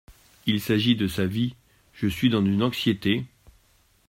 Il s’agit de sa vie… je suis dans une anxiété…